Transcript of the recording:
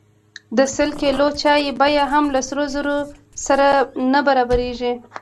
د سل کیلو چای بیه هم له سرو زرو سره نه برابریږي.